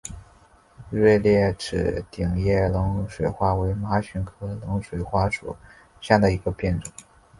锐裂齿顶叶冷水花为荨麻科冷水花属下的一个变种。